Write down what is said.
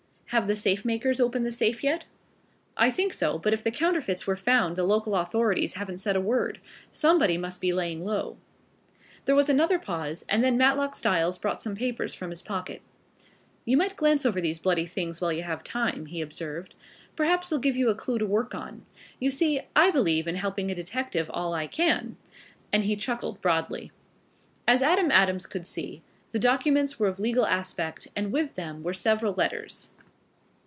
"Have the safe makers opened the safe yet?" "I think so, but if the counterfeits were found the local authorities haven't said a word. Somebody must be laying low." There was another pause, and then Matlock Styles brought some papers from his pocket. "You might glance over these bloody things while you have time," he observed. "Perhaps they'll give you a clue to work on. You see, I believe in helping a detective all I can," and he chuckled broadly. As Adam Adams could see, the documents were of legal aspect and with them were several letters.